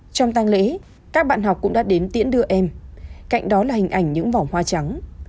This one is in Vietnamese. trong tăng lễ các bạn học cũng đã đến tiễn đưa em cạnh đó là hình ảnh những vòng hoa trắng